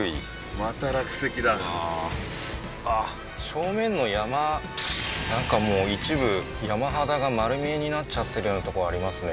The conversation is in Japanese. また落石だうわーなんかもう一部山肌が丸見えになっちゃってるようなとこありますね